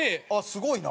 すごいな！